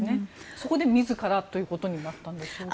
そこで自らということになったんでしょうか。